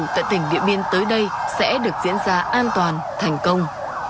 tại tỉnh điện biên tới đây sẽ được diễn ra an toàn thành công